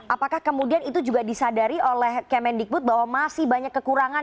apakah kemudian itu juga disadari oleh kemendikbud bahwa masih banyak kekurangan